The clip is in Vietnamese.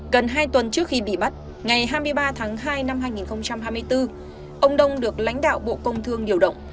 gần hai tuần trước khi bị bắt ngày hai mươi ba tháng hai năm hai nghìn hai mươi bốn ông đông được lãnh đạo bộ công thương điều động